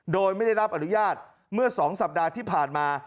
โดยไม่ได้รับอนุญาตเมื่อ๒สัปดาห์ที่ผ่านมา